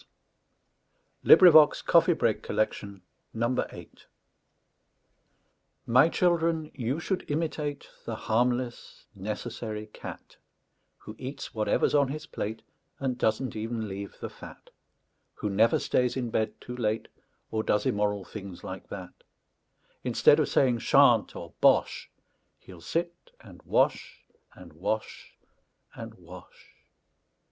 The Cat (Advice to the Young) My children, you should imitate The harmless, necessary cat, Who eats whatever's on his plate, And doesn't even leave the fat; Who never stays in bed too late, Or does immoral things like that; Instead of saying "Shan't!" or "Bosh!" He'll sit and wash, and wash, and wash!